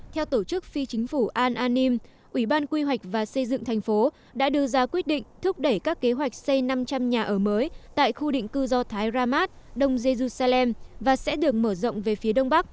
theo tổ chức phi chính phủ al anim ủy ban quy hoạch và xây dựng thành phố đã đưa ra quyết định thúc đẩy các kế hoạch xây năm trăm linh nhà ở mới tại khu định cư do thái ramad đông jejusalem và sẽ được mở rộng về phía đông bắc